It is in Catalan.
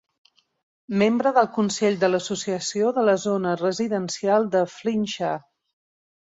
Membre del Consell de l'Associació de la Zona Residencial de Flintshire.